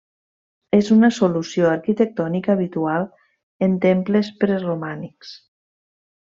És una solució arquitectònica habitual en temples preromànics.